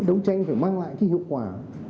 đấu tranh phải mang lại cái hiệu quả